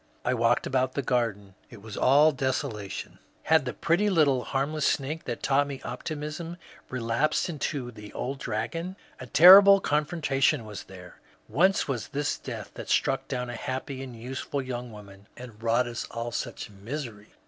I walked about the garden ; it was all desolation ; had the pretty little harmless snake that taught me optimism relapsed into the old dragon ? A terrible confrontation was here I Whence was this death that struck down a happy and useful young woman, and wrought us all such misery